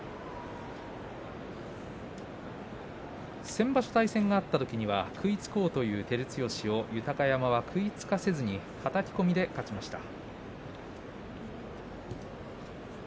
先場所、対戦があったときには食いつこうという照強を豊山が食いつかせずにはたき込みで勝ちました。